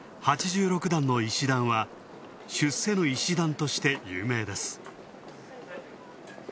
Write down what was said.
８６段の石段は出世の石段として有名です。